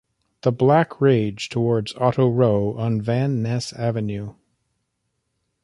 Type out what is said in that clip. The Black rage toward "Auto Row" on Van Ness Avenue.